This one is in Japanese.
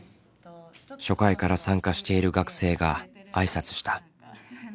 初回から参加している学生があいさつした。